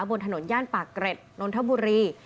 บนถนนย่านปากเกร็ดนนทบุรี